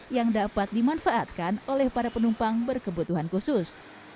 yang dapat dimanfaatkan oleh para penumpang berkebutuhan khusus